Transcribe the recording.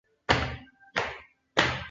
首府盖贝莱。